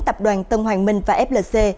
tập đoàn tân hoàng minh và flc